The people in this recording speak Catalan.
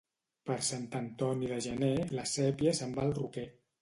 Per Sant Antoni de gener, la sèpia se'n va al roquer.